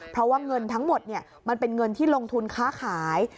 เพราะว่าเงินทั้งหมดมันเป็นเงินที่ลงทุนค้าขาย